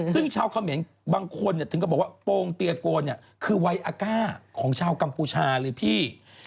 ซึ่งชาวเขมรบางคนถึงก็บอกว่าโปรงเตียโกนคือวัยอาก้าของชาวกัมพูชาเลยพี่